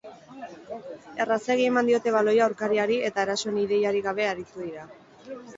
Errazegi eman diote baloia aurkariari eta erasoan ideiarik gabe aritu dira.